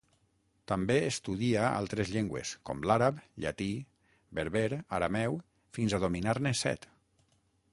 També estudia altres llengües, com l'àrab, llatí, berber, arameu, fins a dominar-ne set.